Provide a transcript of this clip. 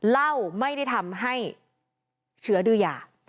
เหล้าไม่ได้ทำให้เชื้อดื้อยา